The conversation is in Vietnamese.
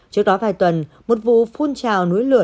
trước đó vài tuần một vụ phun trào núi lửa